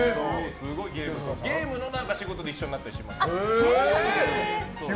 ゲームの仕事で一緒になったりします。